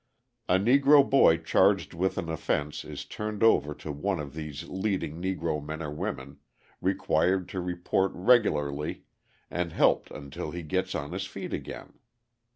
A Negro boy charged with an offence is turned over to one of these leading Negro men or women, required to report regularly, and helped until he gets on his feet again.